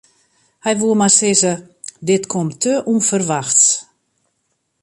Hy woe mar sizze: dit komt te ûnferwachts.